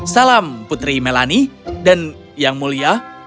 salam putri melani dan yang mulia